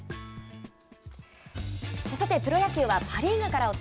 プロ野球はパ・リーグから。